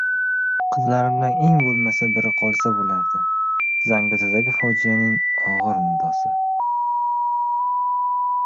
«Qizlarimdan eng boʻlmasa biri qolsa boʻlardi». Zangiotadagi fojianing ogʻir nidosi